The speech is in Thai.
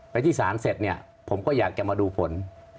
ที่ศาลเสร็จเนี่ยผมก็อยากจะมาดูผล